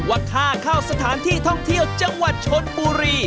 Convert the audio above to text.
ว่าค่าเข้าสถานที่ท่องเที่ยวจังหวัดชนบุรี